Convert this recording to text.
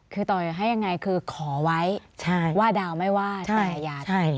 คือต่อให้ยังไงคือขอไว้ว่าดาวไม่ว่าแต่อย่าแตะที่ลูก